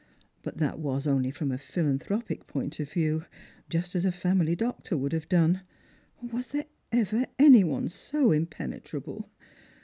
"But that was only from a philan thropic point of view; just as a family doctor would have done. Was there ever any one so impenetrable